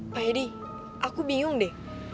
pak edi aku bingung deh